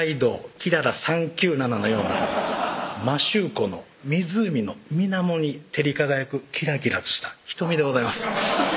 「きらら３９７」の様な摩周湖の湖のみなもに照り輝くキラキラとした瞳でございます